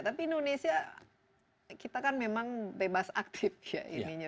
tapi indonesia kita kan memang bebas aktif ya ininya